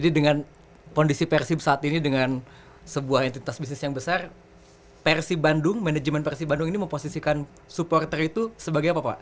dan kondisi persib saat ini dengan sebuah entitas bisnis yang besar persib bandung manajemen persib bandung ini memposisikan supporter itu sebagai apa pak